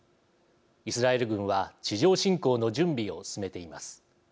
イスラエル軍は地上侵攻の準備を進めています。